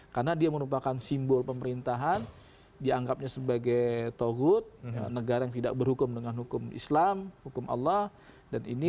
karena dia merupakan simbol pemerintahan dianggapnya sebagai tohut negara yang tidak berhukum dengan hukum islam hukum allah dan ini